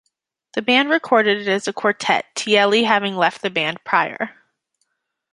The band recorded it as a quartet, Tielli having left the band prior.